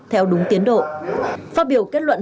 theo đúng tiến độ phát biểu kết luận